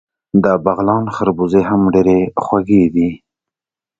د بغلان خربوزې هم ډیرې خوږې دي.